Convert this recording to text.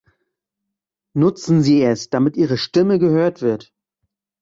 Nutzen Sie es, damit Ihre Stimme gehört wird!